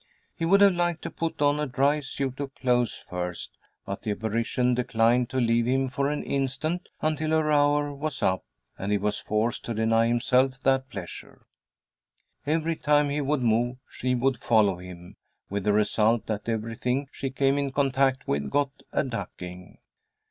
He would have liked to put on a dry suit of clothes first, but the apparition declined to leave him for an instant until her hour was up, and he was forced to deny himself that pleasure. Every time he would move she would follow him, with the result that everything she came in contact with got a ducking.